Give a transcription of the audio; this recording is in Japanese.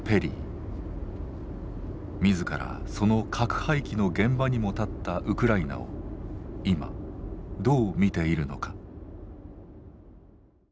自らその核廃棄の現場にも立ったウクライナを今どう見ているのか。